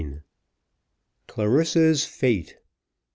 CLARISSA'S FATE.